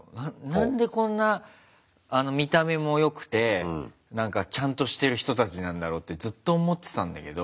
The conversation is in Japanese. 何でこんな見た目もよくてちゃんとしてる人たちなんだろうってずっと思ってたんだけど。